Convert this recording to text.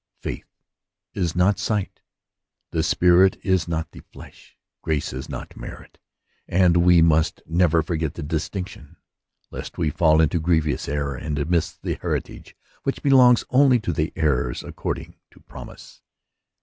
Faith is not sight; the spirit is not the flesh; grace is not merit ; and we must never forget the distinction, lest we fall into grievous error and miss the heritage which belongs only to the heirs accord ing to promise.